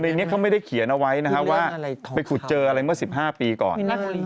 ในเนี้ยเขาไม่ได้เขียนเอาไว้นะฮะไปขุดเจอมาเมื่อ๑๕ปีก่อน